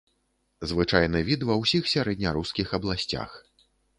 Звычайны від ва ўсіх сярэднярускіх абласцях.